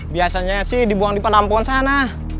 biasanya sih dibuang di penampuan sana